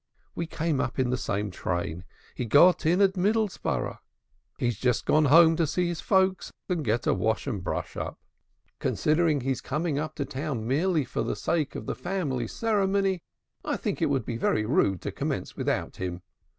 "We came up in the same train. He got in at Middlesborough. He's just gone home to see his folks, and get a wash and a brush up. Considering he's coming up to town merely for the sake of the family ceremony, I think it would be very rude to commence without him.